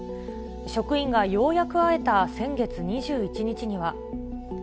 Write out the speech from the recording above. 職員がようやく会えた先月２１日には。